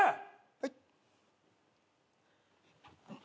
はい。